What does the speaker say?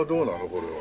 これは。